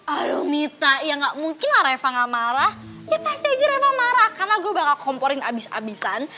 oh lu minta ya gak mungkin lah reva gak marah ya pasti aja reva marah karena gue bakal komporin abis abisan